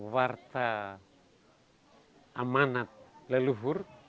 warta amanat leluhur